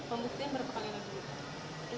pembuktian berkembang yang apa bu